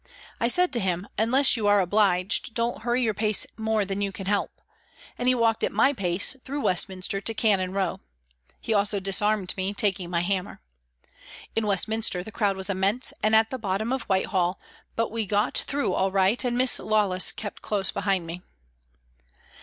I said to him :" Unless you are obliged, don't hurry your pace more than you can help," and he walked at my pace through Westminster to Cannon Row. He also disarmed me, taking my hammer. In Westminster the crowd was immense and at the bottom of Whitehall, but we got through all right, and Miss Lawless kept close behind me.